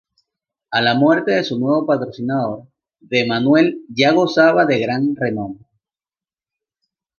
A la muerte de su nuevo patrocinador, D. Manuel ya gozaba de gran renombre.